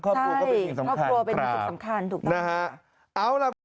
ครอบครัวก็เป็นสิ่งสำคัญครับ